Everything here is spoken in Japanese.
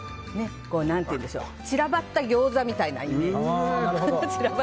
何というか、散らばったギョーザみたいなイメージ。